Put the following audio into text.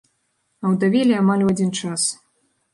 Аўдавелі амаль у адзін час.